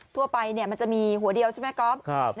ทั่วไปมันจะมีหัวเดียวใช่ไหมก๊อฟ